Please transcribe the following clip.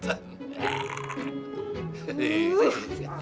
abah kek allah